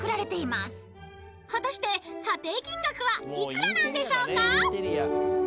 ［果たして査定金額は幾らなんでしょうか？］